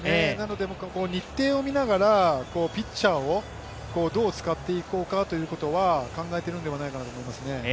日程を見ながらピッチャーをどう使っていこうかということは考えているんではないかなと思いますね。